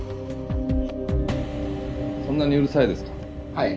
・はい。